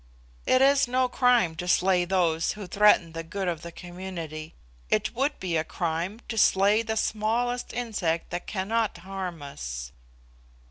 "It is no crime to slay those who threaten the good of the community; it would be a crime to slay the smallest insect that cannot harm us."